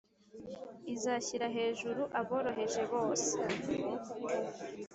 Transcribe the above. Izashyira hejuru aboroheje bose